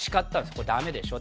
これダメでしょって。